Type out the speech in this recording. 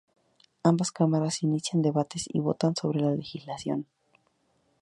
Ambas cámaras inician debates y votan sobre la legislación.